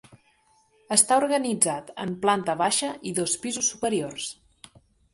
Està organitzat en planta baixa i dos pisos superiors.